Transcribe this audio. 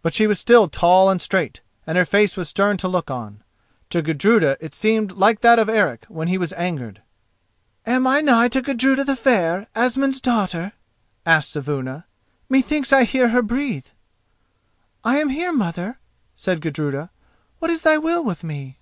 But she was still tall and straight, and her face was stern to look on. To Gudruda it seemed like that of Eric when he was angered. "Am I nigh to Gudruda the Fair, Asmund's daughter?" asked Saevuna. "Methinks I hear her breathe." "I am here, mother," said Gudruda. "What is thy will with me?"